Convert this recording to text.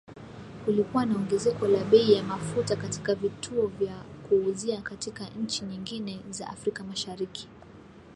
Kulikuwa na ongezeko la bei ya mafuta katika vituo vya kuuzia katika nchi nyingine za Afrika Mashariki.